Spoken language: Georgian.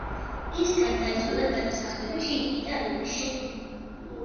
ის გარდაიცვალა გადასახლებაში, იტალიაში.